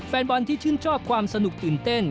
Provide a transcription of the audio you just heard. แฟนบอลที่ชื่นชอบความสนุกตื่นเต้น